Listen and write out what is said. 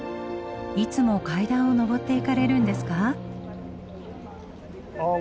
いつも階段を上っていかれるんですか？